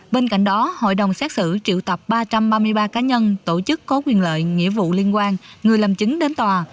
bên cạnh đó hội đồng xét xử triệu tập ba trăm ba mươi ba cá nhân tổ chức có quyền lợi nghĩa vụ liên quan người làm chứng đến tòa